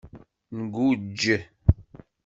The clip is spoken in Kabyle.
Ngujj.